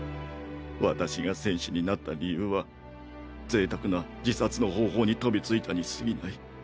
私が戦士になった理由は贅沢な自殺の方法に飛びついたにすぎない。